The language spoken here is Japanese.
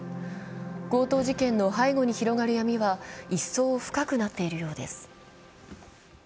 強盗事件の背後に広がる闇はいっそう深くなっているようです。